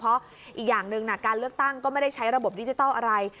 เพราะอีกอย่างหนึ่งการเลือกตั้งก็ไม่ได้ใช้ระบบดิจิทัลอะไร